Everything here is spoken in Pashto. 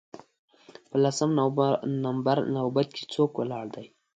په لسم نمبر نوبت کې څوک ولاړ دی